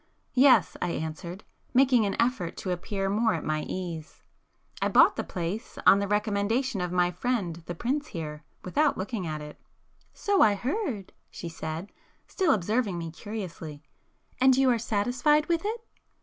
"Yes," I answered, making an effort to appear more at my ease—"I bought the place,—on the recommendation of my friend the prince here,—without looking at it." "So I heard,"—she said, still observing me curiously—"And you are satisfied with it?"